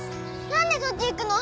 なんでそっち行くの？